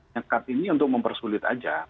nyekat ini untuk mempersulit aja